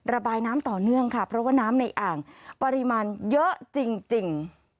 ระบายน้ำต่อเนื่องค่ะเพราะว่าน้ำในอ่างปริมาณเยอะจริง